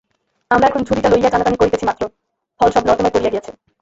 আমরা এখন ঝুড়িটা লইয়া টানাটানি করিতেছি মাত্র, ফল সব নর্দমায় পড়িয়া গিয়াছে।